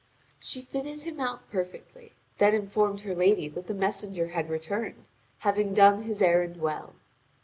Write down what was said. She fitted him out perfectly, then informed her lady that the messenger had returned, having done his errand well.